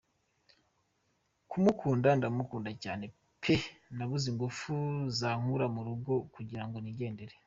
Kumukunda ndamukunda cyane peeee nabuze ingufu zankura mu rugo kugirango nigendere .